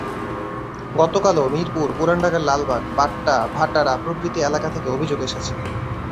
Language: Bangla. গতকালও মিরপুর, পুরান ঢাকার লালবাগ, বাড্ডা, ভাটারা প্রভৃতি এলাকা থেকে অভিযোগ এসেছে।